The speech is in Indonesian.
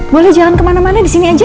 boleh jalan kemana mana disini aja